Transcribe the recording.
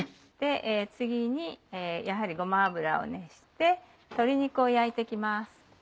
次にやはりごま油を熱して鶏肉を焼いて行きます。